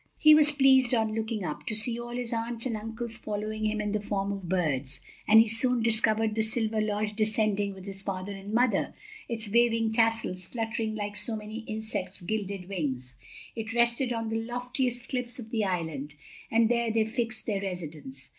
He was pleased, on looking up, to see all his aunts and uncles following him in the form of birds, and he soon discovered the silver lodge descending with his father and mother, its waving tassels fluttering like so many insects' gilded wings. It rested on the loftiest cliffs of the island, and there they fixed their residence.